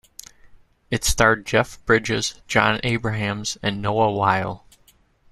It starred Jeff Bridges, Jon Abrahams, and Noah Wyle.